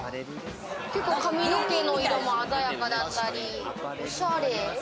結構髪の毛の色も鮮やかだったり、おしゃれ。